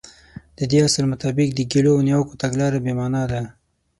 د دې اصل مطابق د ګيلو او نيوکو تګلاره بې معنا ده.